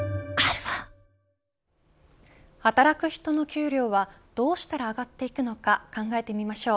働く人の給料はどうしたら上がっていくのか考えてみましょう。